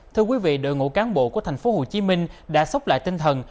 thưa quý vị đội ngũ cán bộ của tp hcm đã sóc lại tinh thần